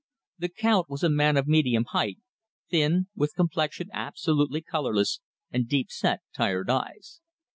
The Count was a man of medium height, thin, with complexion absolutely colourless, and deep set, tired eyes.